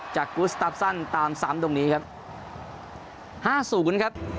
จากกุสตาฟซั่นตามซ้ำตรงนี้ครับห้าสู่คุณครับ